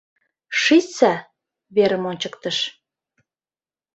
— Шичса, — верым ончыктыш.